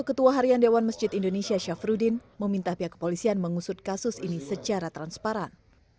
ketua harian dewan masjid indonesia syafruddin meminta pihak kepolisian mengusut kasus ini secara transparan